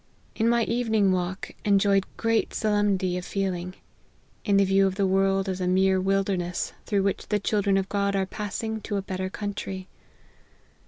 In my evening walk enjoyed great solemnity of feeling, in the view of the world as a mere wilderness, through which the children of God are passing to a better country.